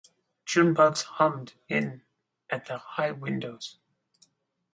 June bugs hummed in at the high windows.